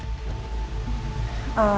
tentang mbak bella